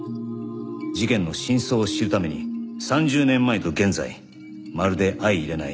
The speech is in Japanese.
事件の真相を知るために３０年前と現在まるで相いれない